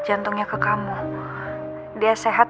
jantungnya ke kamu dia sehat